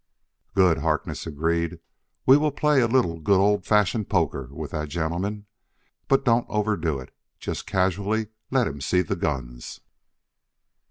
"Good," Harkness agreed; "we will play a little good old fashioned poker with the gentleman, but don't overdo it, just casually let him see the guns."